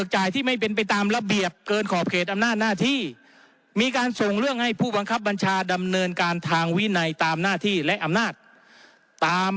หน้าที่มีการส่งเรื่องให้ผู้บังคับบัญชาดำเนินการทางวินัยตามหน้าที่และอำหน้าตาม